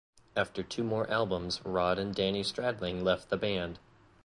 After two more albums Rod and Danny Stradling left the band.